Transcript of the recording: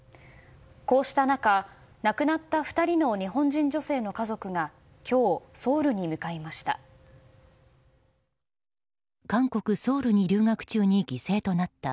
こうした中、亡くなった２人の日本人女性の家族が今日、ソウルに向かいました。